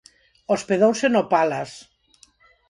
Hospedouse no Palace.